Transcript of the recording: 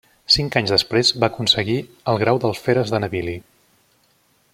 Cinc anys després va aconseguir el grau d'alferes de navili.